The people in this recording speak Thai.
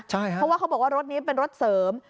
เพราะว่าเขาบอกว่ารถนี้เป็นรถเสริม